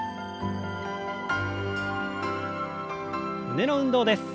胸の運動です。